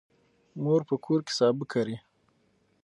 مور په کور کې سابه کري.